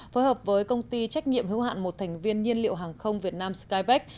phối hợp với công ty trách nhiệm hữu hạn một thành viên nhiên liệu hàng không việt nam skybec